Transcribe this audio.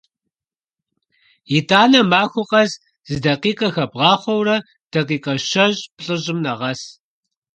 ИтӀанэ махуэ къэс зы дакъикъэ хэбгъахъуэурэ, дакъикъэ щэщӀ-плӀыщӀым нэгъэс.